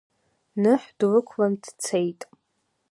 Ныҳә длықәлан дцеит.